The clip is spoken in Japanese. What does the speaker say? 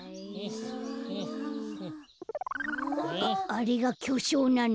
あれがきょしょうなの？